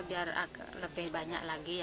berkunjung ke desa sini